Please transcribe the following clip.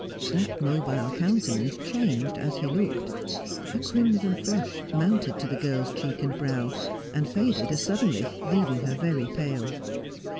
That mobile countenance changed as he looked. A crimson flush mounted to the girl's cheek and brow, and faded as suddenly, leaving her very pale.